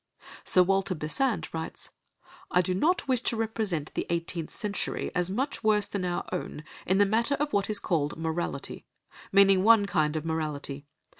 Sir Walter Besant writes: "I do not wish to represent the eighteenth century as much worse than our own in the matter of what is called morality, meaning one kind of morality.